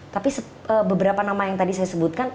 tapi beberapa nama yang tadi saya sebutkan